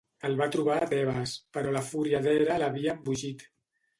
El va trobar a Tebes, però la fúria d'Hera l'havia embogit.